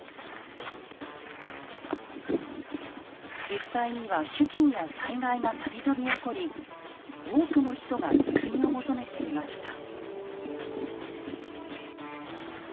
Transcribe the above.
実際には飢きんや災害が度々起こり多くの人が救いを求めていました。